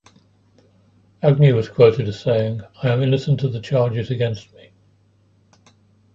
Agnew was quoted as saying: I am innocent of the charges against me.